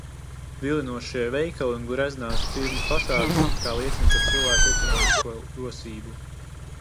Vilinošie veikali un greznās firmu fasādes it kā liecina par cilvēka ekonomisko rosību.